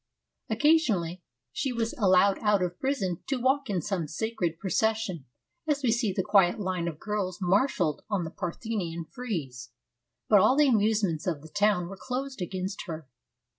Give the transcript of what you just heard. Occasionally she was allowed out of prison to walk in some sacred pro cession, as we see the quiet line of girls marshalled on the Parthenon frieze, but all the amusements of the town were closed against her.